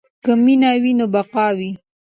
که مینه وي نو بقا وي.